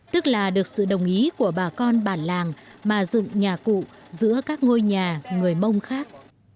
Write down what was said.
tức là được sự đồng ý của bà con bản làng mà dựng nhà cụ giữa các ngôi nhà người mông khác